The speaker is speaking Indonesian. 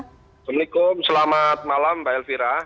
assalamualaikum selamat malam mbak elvira